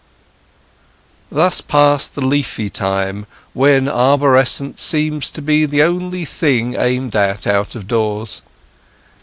Thus passed the leafy time when arborescence seems to be the one thing aimed at out of doors.